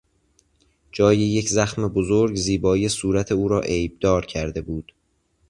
جای یک زخم بزرگ، زیبایی صورت او را عیبدار کرده بود.